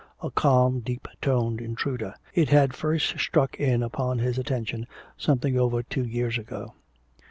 A calm deep toned intruder, it had first struck in upon his attention something over two years ago.